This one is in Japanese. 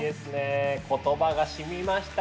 言葉がしみましたね。